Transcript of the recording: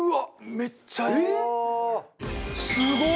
めっちゃいい！